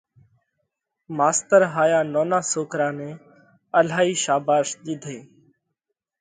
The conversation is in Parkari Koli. ماستر هايا نونا سوڪرا نئہ الهائي شاڀاش ۮِيڌئي